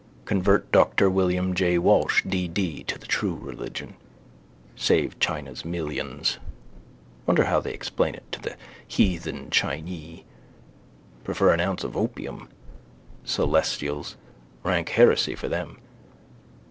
Convert Dr William J. Walsh D.D. to the true religion. Save China's millions. Wonder how they explain it to the heathen Chinee. Prefer an ounce of opium. Celestials. Rank heresy for them.